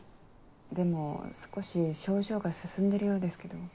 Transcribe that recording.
でも少し症状が進んでるようですけど。